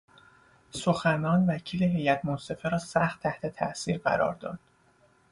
سخنان وکیل هیات منصفه را سخت تحت تاثیر قرار داد.